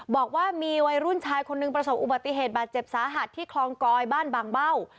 บอกว่ามีวัยรุ่นชายคนหนึ่งประสบอุบัติเหตุบาดเจ็บสาหัสที่คลองกอยบ้านบางเบ้า